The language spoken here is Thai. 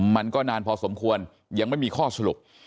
มันก็นานพอสมควรยังไม่มีข้อสรุป